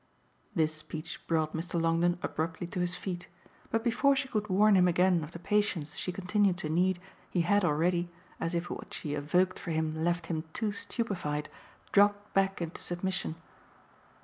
This speech brought Mr. Longdon abruptly to his feet, but before she could warn him again of the patience she continued to need he had already, as if what she evoked for him left him too stupefied, dropped back into submission.